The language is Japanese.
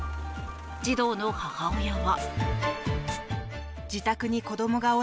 児童の母親は。